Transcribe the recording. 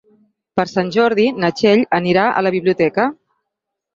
Per Sant Jordi na Txell anirà a la biblioteca.